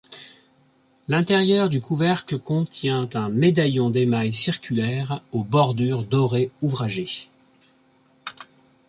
L'intérieur du couvercle contient un médaillon d'émail circulaire aux bordures dorées ouvragées.